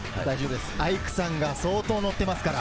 アイクさんは相当、乗ってますから。